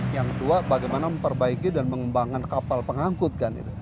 yang dua bagaimana memperbaiki dan mengembangkan kapal pengangkut kan